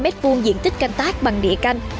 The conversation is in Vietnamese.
năm m hai diện tích canh tác bằng địa canh